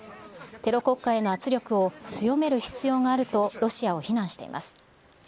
テロ国家への圧力を強める必要があると、ロシアを非難しています。